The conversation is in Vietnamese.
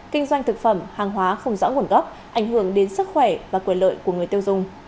kinh doanh thực phẩm hàng hóa không rõ nguồn gốc ảnh hưởng đến sức khỏe và quyền lợi của người tiêu dùng